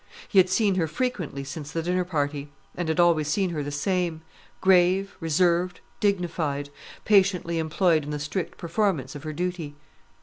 He had seen her frequently since the dinner party, and had always seen her the same, grave, reserved, dignified; patiently employed in the strict performance of her duty.